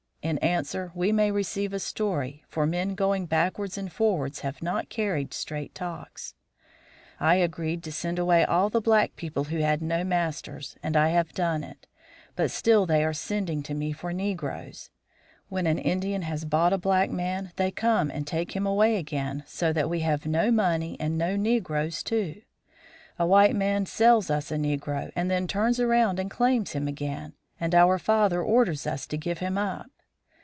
In answer we may receive a story, for men going backwards and forwards have not carried straight talks. "I agreed to send away all the black people who had no masters, and I have done it; but still they are sending to me for negroes. When an Indian has bought a black man they come and take him away again, so that we have no money and no negroes, too. A white man sells us a negro and then turns around and claims him again, and our father orders us to give him up.